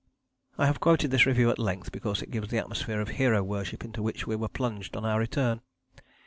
I have quoted this review at length, because it gives the atmosphere of hero worship into which we were plunged on our return.